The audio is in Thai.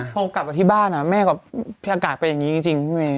พอกลับมาที่บ้านแม่กับอากาศเป็นอย่างนี้จริงพี่เมย์